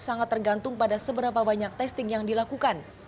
sangat tergantung pada seberapa banyak testing yang dilakukan